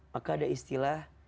maka ada istilah